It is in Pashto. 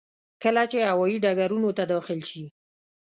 کله چې هوايي ډګرونو ته داخل شي.